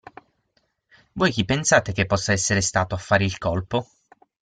Voi chi pensate che possa essere stato a fare il colpo?